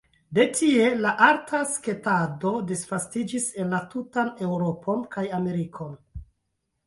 De tie la arta sketado disvastiĝis en la tutan Eŭropon kaj Amerikon.